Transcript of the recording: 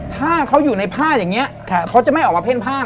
ถ้าเขาอยู่ในผ้าอย่างนี้เขาจะไม่ออกมาเพ่นผ้า